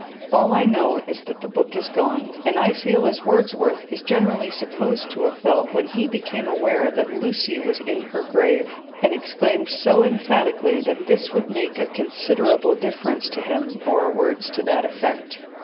All I know is that the book is gone, and I feel as Wordsworth is generally supposed to have felt when he became aware that Lucy was in her grave, and exclaimed so emphatically that this would make a considerable difference to him, or words to that effect.